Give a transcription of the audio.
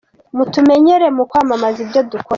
Mutumenyereye mu kwamamaza ibyo dukora.